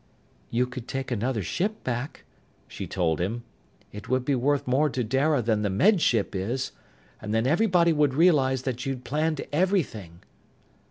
"You could take another ship back," she told him. "It would be worth more to Dara than the Med Ship is! And then everybody would realize that you'd planned everything."